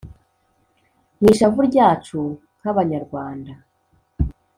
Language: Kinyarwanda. mw’ishavu ryacu nk’abanyarwanda